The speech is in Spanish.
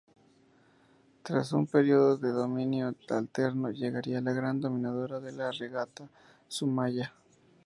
Tras un periodo de dominio alterno llegaría la gran dominadora de la regata: Zumaya.